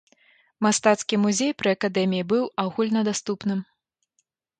Мастацкі музей пры акадэміі быў агульнадаступным.